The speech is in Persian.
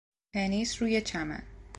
تنیس روی چمن